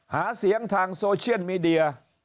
หาเสียงทางโซเชียลมีเดีย